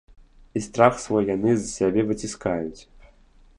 І страх свой яны з сябе выціскаюць.